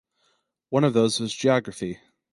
One of those was geography.